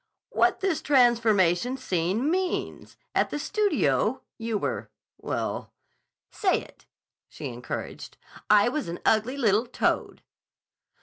"What this transformation scene means? At the studio you were, well—" "Say it," she encouraged. "I was an ugly little toad."